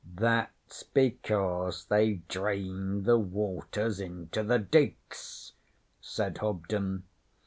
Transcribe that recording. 'That's because they've dreened the waters into the diks,' said Hobden.